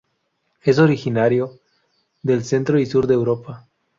Es originario del centro y sur de Europa.